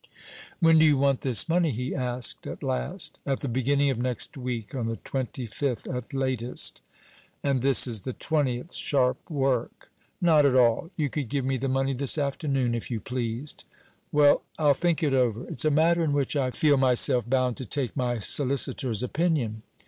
"When do you want this money?" he asked at last. "At the beginning of next week. On the twenty fifth at latest." "And this is the twentieth. Sharp work." "Not at all. You could give me the money this afternoon, if you pleased." "Well, I'll think it over. It's a matter in which I feel myself bound to take my solicitor's opinion.